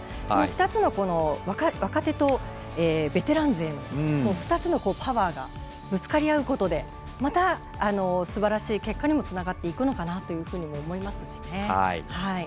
その２つの若手とベテラン勢の２つのパワーがぶつかり合うことでまたすばらしい結果にもつながっていくのかなと思いますしね。